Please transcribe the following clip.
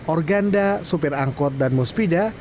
organda supir angkot dan muspida